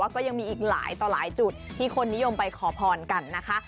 ก็ยังมีอีกหลายต่อหลายจุดที่คนนิยมไปขอพรกันนะคะ